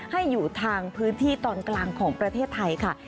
ให้อยู่ทางพื้นที่ตอนกลางของประเทศไทยค่ะ